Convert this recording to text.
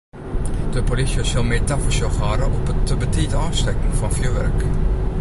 De polysje sil mear tafersjoch hâlde op it te betiid ôfstekken fan fjurwurk.